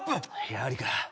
やはりか。